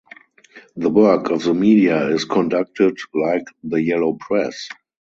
The work of the media is conducted like the yellow press.